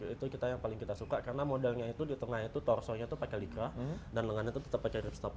itu yang paling kita suka karena modelnya itu di tengahnya itu torsonya itu pakai likra dan lengannya itu tetap pakai ripstop